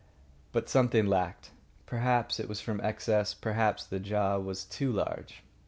But something lacked. Perhaps it was from excess. Perhaps the jaw was too large.